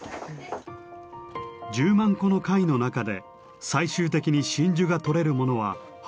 １０万個の貝の中で最終的に真珠が採れるものは半数以下。